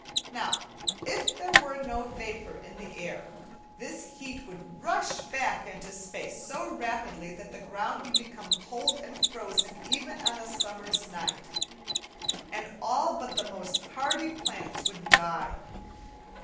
Now, if there were no vapour in the air, this heat would rush back into space so rapidly that the ground would become cold and frozen even on a summer's night, and all but the most hardy plants would die.